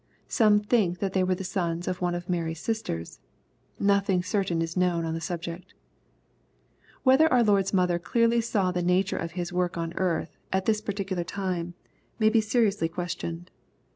Some think that they were the sons of one of Mary's Bisters. Nothing certain is known on the subject Whether our Lord's mother clearly saw the nature of His work on earth, at this particular time, may seriously be questioned.